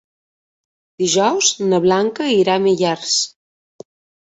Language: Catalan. Dijous na Blanca irà a Millars.